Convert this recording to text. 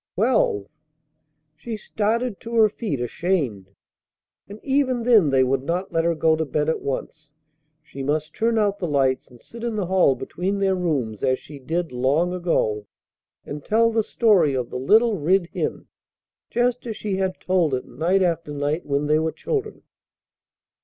twelve! She started to her feet ashamed. And even then they would not let her go to bed at once. She must turn out the lights, and sit in the hall between their rooms as she did long ago, and tell the story of "The Little Rid Hin" just as she had told it night after night when they were children.